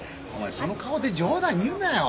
その顔で冗談言うなよ